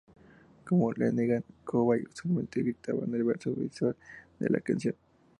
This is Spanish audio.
Como Lanegan, Cobain usualmente gritaba el verso final de la canción.